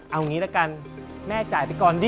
เอางี้ละกันแม่จ่ายไปก่อนดิ